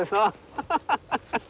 ハハハハハ！